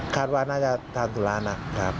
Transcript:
คาดว่าน่าจะทานสุรานะครับ